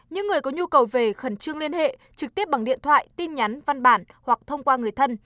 những người có nhu cầu về khẩn trương liên hệ trực tiếp bằng điện thoại tin nhắn văn bản hoặc thông qua người thân